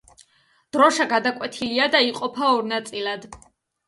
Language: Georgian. დროშა გადაკვეთილია და იყოფა ორ ნაწილად.